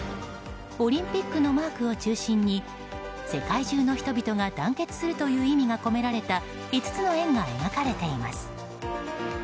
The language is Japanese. オリンピックのマークを中心に世界中の人々が団結するという意味が込められた５つの円が描かれています。